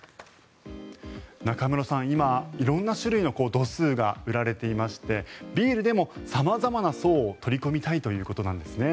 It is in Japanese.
中室さん、今色んな種類の度数が売られていましてビールでも様々な層を取り込みたいということなんですね。